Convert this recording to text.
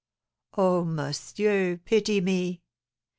Oh, môssieur, pity me!